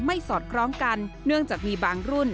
สอดคล้องกันเนื่องจากมีบางรุ่น